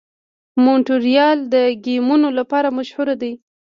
مونټریال د ګیمونو لپاره مشهور دی.